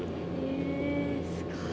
えすごい。